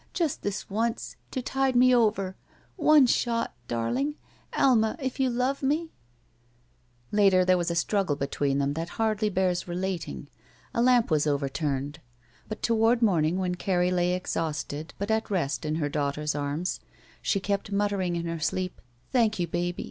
Just this once. To tide me over. One shot — darling. Alma, if you love me?" 37 SHE WALKS IN BEAUTY Later there was a struggle between them that hardly bears relating. A lamp was overturned. But toward morning, when Carrie lay exhausted, but at rest in her daughter's arms, she kept muttering in her sleep : "Thank you, baby.